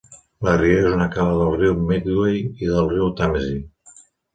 La riera és una cala del riu Medway i del riu Tàmesi.